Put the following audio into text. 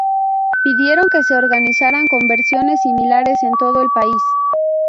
Pidieron que se organizaran convenciones similares en todo el país.